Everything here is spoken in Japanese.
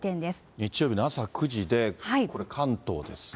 日曜日の朝９時で、これ、関東ですね。